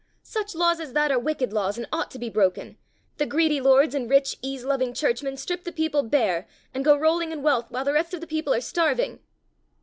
"Such laws as that are wicked laws and ought to be broken. The greedy lords and rich, ease loving churchmen strip the people bare and go rolling in wealth while the rest of the people are starving."